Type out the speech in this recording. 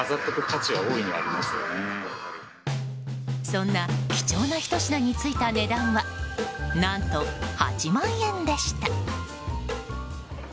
そんな貴重なひと品についた値段は何と８万円でした。